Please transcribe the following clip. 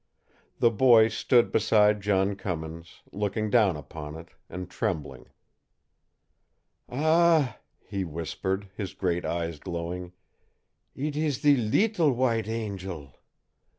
The boy stood beside John Cummins, looking down upon it, and trembling. "Ah," he whispered, his great eyes glowing. "It ees the LEETLE white angel!"